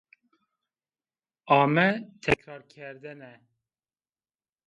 Ame tekrarkerdene